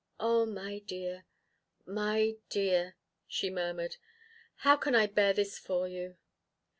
"Oh, my dear, my dear!" she murmured. "How can I bear this for you?"